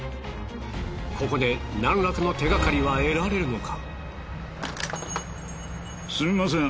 ここで何らかの手がかりは得られるのか。